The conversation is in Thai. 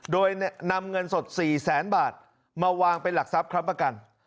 โดยนำเงินสด๔๐๐๐๐๐บาทมาวางไปหลักซับครับประกัน